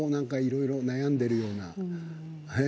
いろいろ悩んでいるような。